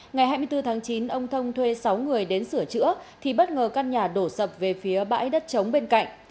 ngày hai mươi bốn tháng chín ông thông thuê sáu người đến sửa chữa thì bất ngờ căn nhà đổ sập về phía bãi đất trống bên cạnh